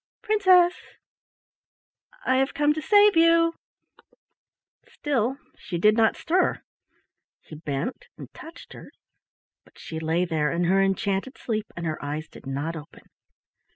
Princess! I have come to save you." Still she did not stir. He bent and touched her, but she lay there in her enchanted sleep, and her eyes did not open.